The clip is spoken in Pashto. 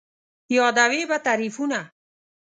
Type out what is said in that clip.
یادوې به تعريفونه